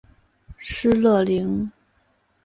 施乐灵。